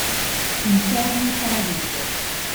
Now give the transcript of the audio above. Inferno e paradiso